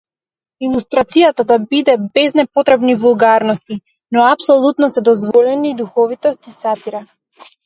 Илустрацијата да биде без непотребни вулгарности, но апсолутно се дозволени духовитост и сатира.